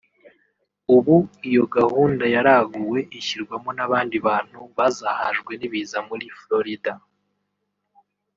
ubu iyo gahunda yaraguwe ishyirwamo n’abandi bantu bazahajwe n’ibiza muri Florida